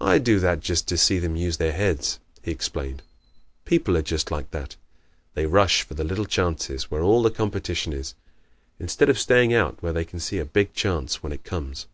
"I do that just to see them use their heads," he explained. "People are just like that. They rush for the little chances where all the competition is, instead of staying out where they can see a big chance when it comes."